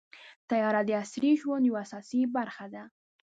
طیاره د عصري ژوند یوه اساسي برخه ده.